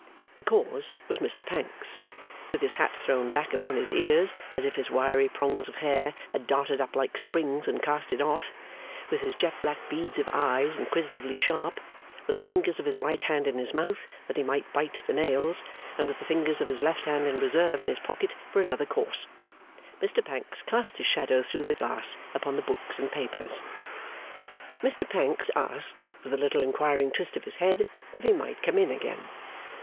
The cause was Mr Pancks. With his hat thrown back upon his ears as if his wiry prongs of hair had darted up like springs and cast it off, with his jet black beads of eyes inquisitively sharp, with the fingers of his right hand in his mouth that he might bite the nails, and with the fingers of his left hand in reserve in his pocket for another course, Mr Pancks cast his shadow through the glass upon the books and papers. Mr Pancks asked, with a little inquiring twist of his head, if he might come in again?